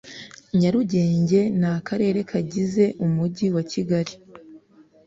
nyarugenge na karere kagize umujyi wa kigali